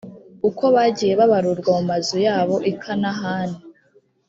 uko bagiye babarurwa mu mazu yabo i kanahani.